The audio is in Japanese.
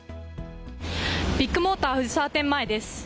ビッグモーター藤沢店前です。